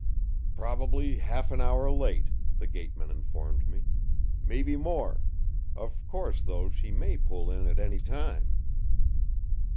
"Probably half an hour late," the gateman informed me. "Maybe more! Of course, though, she may pull in any time."